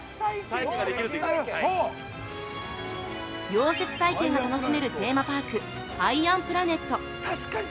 ◆溶接体験が楽しめるテーマパークアイアンプラネット。